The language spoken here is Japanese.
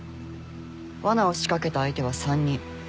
わなを仕掛けた相手は３人。